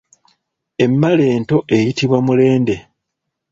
Emmale ento eyitibwa Mulende.